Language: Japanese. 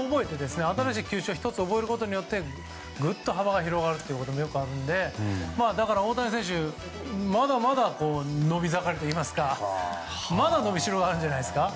新しい球種を１つ覚えてぐっと幅が広がることもよくあるので、大谷選手はまだまだ伸び盛りといいますかまだ伸びしろがあるんじゃないですかね。